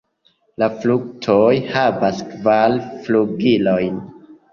La fruktoj havas kvar flugilojn.